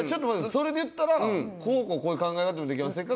それでいったらこうこうこういう考え方もできませんか？」